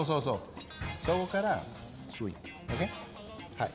はい。